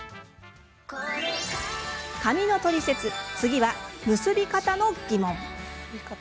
髪のトリセツ次は、結び方の疑問。